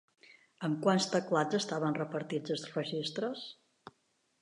En quants teclats estaven repartits els registres?